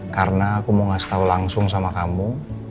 karena aku mau ngasih tau langsung sama kamu